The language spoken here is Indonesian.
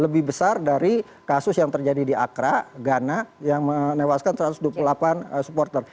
lebih besar dari kasus yang terjadi di akra ghana yang menewaskan satu ratus dua puluh delapan supporter